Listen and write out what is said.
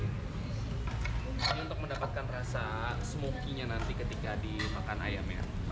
ini untuk mendapatkan rasa smokiness nanti ketika dimakan ayamnya